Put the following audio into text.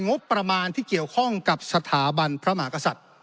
งบประมาณที่เกี่ยวข้องกับสถาบันพระมหากษัตริย์